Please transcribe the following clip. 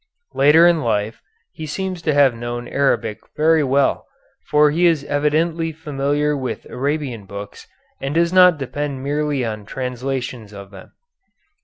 Later in life he seems to have known Arabic very well, for he is evidently familiar with Arabian books and does not depend merely on translations of them.